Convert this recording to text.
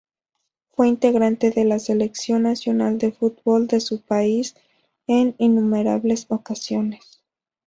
Fue integrante de la selección nacional de fútbol de su país en innumerables ocasiones.